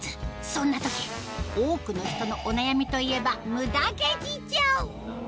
そんな時多くの人のお悩みといえばムダ毛事情